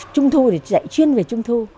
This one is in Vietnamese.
trung thu thì dạy chuyên về trung thu